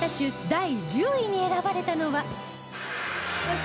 第１０位に選ばれたのは